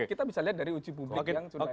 kita bisa lihat dari uji publik